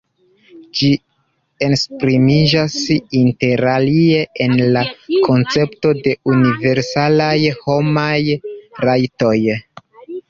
Ĝi esprimiĝas interalie en la koncepto de universalaj homaj rajtoj.